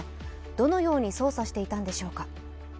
どのように操作していたんでしょうか。